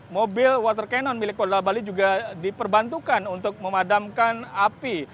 mobil water cannon milik polda bali juga diperbantukan untuk memadamkan api